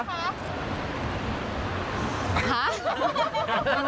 โอเคพี่เอ็ดเป็นอะไรค่ะ